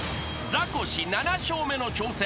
［ザコシ７笑目の挑戦。